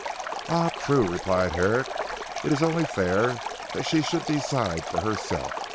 "Ah! true," replied Herrick, "it is only fair that she should decide for herself.